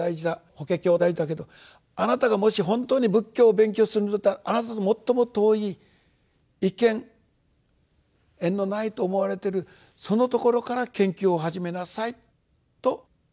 法華経大事だけどあなたがもし本当に仏教を勉強するんだったらあなたと最も遠い一見縁のないと思われてるそのところから研究を始めなさい」と。